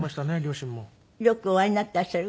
よくお会いになっていらっしゃる？